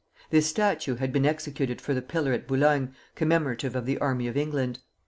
This statue had been executed for the Pillar at Boulogne commemorative of the Army of England.